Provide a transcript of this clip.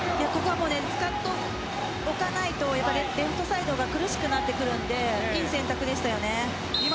使っておかないとレフトサイドが苦しくなってくるのでいい選択でした。